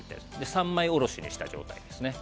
三枚下ろしにした状態です。